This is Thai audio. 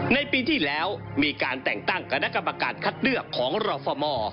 ในปีที่แล้วมีการแต่งตั้งคณะกรรมการคัดเลือกของรอฟม